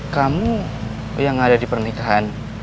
kamu yang ada di pernikahan